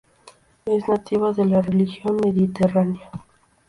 Es nativa de la Región mediterránea.